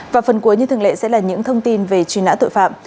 và phần cuối như thường lệ sẽ là những thông tin về truy nã tội phạm